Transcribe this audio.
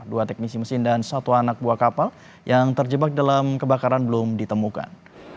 dua teknisi mesin dan satu anak buah kapal yang terjebak dalam kebakaran belum ditemukan